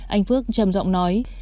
anh phước chầm giọng nói